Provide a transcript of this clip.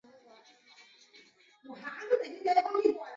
德国人之后称他的失误是因为一股强烈的阵风所致。